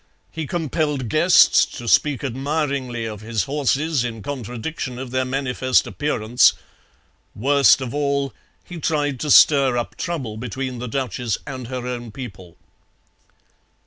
He compelled guests to speak admiringly of his horses, in contradiction of their manifest appearance. Worst of all, he tried to stir up trouble between the duchess and her own people.